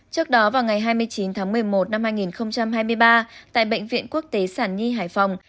trước đó vào ngày hai mươi chín tháng một mươi một năm hai nghìn hai mươi ba tại bệnh viện quốc tế sản nhi hải phòng